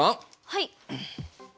はい。